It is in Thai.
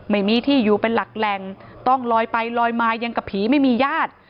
ไม่มีที่อยู่เป็นหลักแหล่งต้องลอยไปลอยมายังกับผีไม่มีญาติ